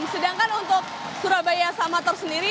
sedangkan untuk surabaya samator sendiri